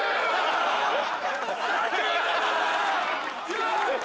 やった！